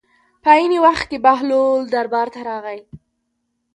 په عین وخت کې بهلول دربار ته راغی.